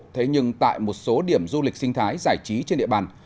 thế nhưng tại một số điểm du lịch sinh thái giải trí trên địa bàn